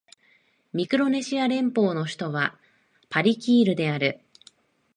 ミクロネシア連邦の首都はパリキールである